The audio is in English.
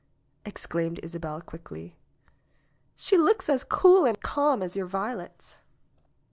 exclaimed Isabel quickly, '^she looks as cool and calm as your violets."